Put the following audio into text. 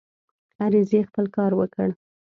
عریضې خپل کار وکړ.